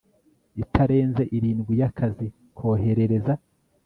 itarenze irindwi y akazi koherereza